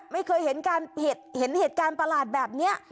ไม่เคยเห็นเหตุการณ์ประหลาดแบบนี้